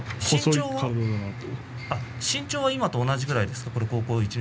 身長は今と同じぐらいですか？